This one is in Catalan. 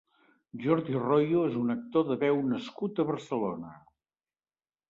Jordi Royo és un actor de veu nascut a Barcelona.